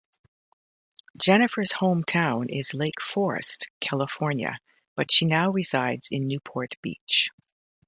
Jennifer's hometown is Lake Forest, California but she now resides in Newport Beach.